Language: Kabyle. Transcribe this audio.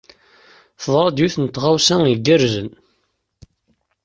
Teḍra-d yiwet n tɣawsa igerrzen.